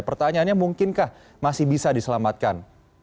pertanyaannya mungkinkah masih bisa diselamatkan